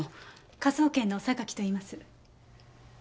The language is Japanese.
科捜研の榊といいます。